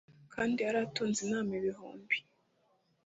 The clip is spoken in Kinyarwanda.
Kandi yari atunze intama ibihumbi